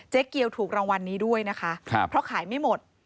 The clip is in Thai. เกียวถูกรางวัลนี้ด้วยนะคะเพราะขายไม่หมด